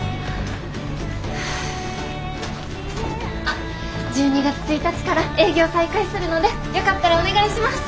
あっ１２月１日から営業再開するのでよかったらお願いします。